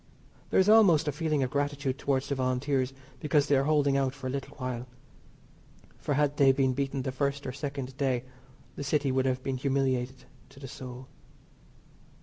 There is almost a feeling of gratitude towards the Volunteers because they are holding out for a little while, for had they been beaten the first or second day the City would have been humiliated to the soul.